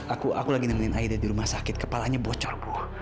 aku lagi nemenin aida di rumah sakit kepalanya bocor bu